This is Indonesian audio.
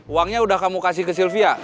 uangnya udah kamu kasih ke sylvia